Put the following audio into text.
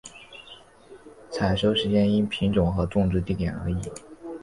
采收时间因品种和种植地点而异。